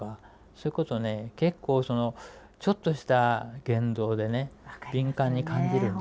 結構そのちょっとした言動でね敏感に感じるんですよね。